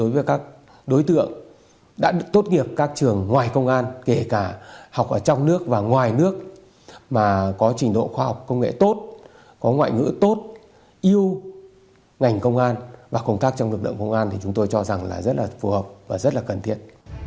và có trình độ khoa học công nghệ tốt có ngoại ngữ tốt yêu ngành công an và công tác trong lực lượng công an thì chúng tôi cho rằng là rất là phù hợp và rất là cần thiện